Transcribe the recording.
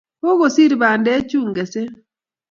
Kokosir pandechuu keset